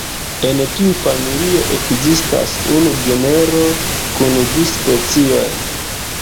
En tiu familio ekzistas unu genro kun du specioj.